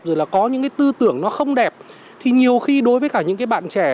rồi là có những cái tư tưởng nó không đẹp thì nhiều khi đối với cả những cái bạn trẻ